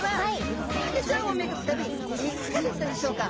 クラゲちゃんを巡る旅いかがでしたでしょうか？